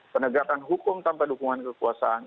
penegakan hukum tanpa dukungan kekuasaan